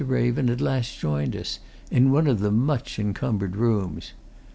Raven at last joined us, in one of the much encumbered rooms.